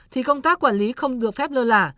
thì công tác quản lý không được phép lơ là